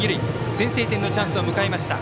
先制点のチャンスを迎えました。